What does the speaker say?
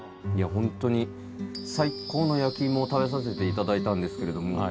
本当に最高の焼き芋を食べさせていただいたんですけれども。